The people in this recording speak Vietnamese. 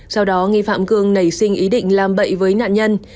sau đó nghi phạm cương nảy sinh ý định làm bậy với nạn nhân